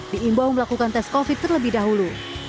diimbau melakukan tes covid sembilan belas terlebih dahulu